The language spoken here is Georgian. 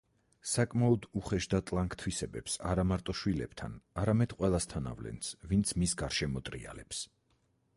საკმაოდ უხეშ და ტლანქ თვისებებს არამარტო შვილებთან, არამედ ყველასთან ავლენს, ვინც მის გარშემო ტრიალებს.